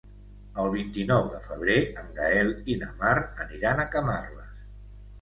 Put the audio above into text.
El vint-i-nou de febrer en Gaël i na Mar aniran a Camarles.